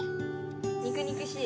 肉肉しい。